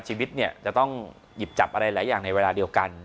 ชีวิตเนี่ยจะต้องหยิบจับอะไรหลายอย่างในเวลาเดียวกัน